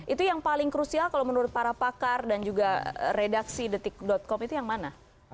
itu yang paling krusial kalau menurut para pakar dan juga redaksi detik com itu yang mana